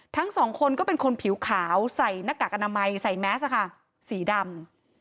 ทั้งสองคนก็เป็นคนผิวขาวใส่หน้ากากอนามัยใส่แมสสีดำ